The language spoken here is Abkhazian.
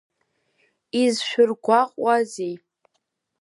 Изшәыргәаҟуазеи?!